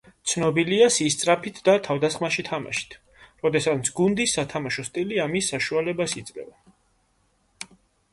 ცნობილია სისწრაფით და თავდასხმაში თამაშით, როდესაც გუნდის სათამაშო სტილი ამის საშუალებას იძლევა.